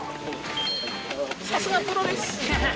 さすがプロです。